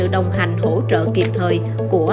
đồng hành hỗ trợ kịp thời của